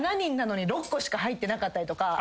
しか入ってなかったりとか。